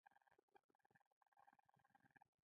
چې دودیز غیرت باید په هر حال کې وکړو.